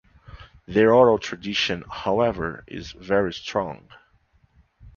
Their oral tradition, however, is very strong.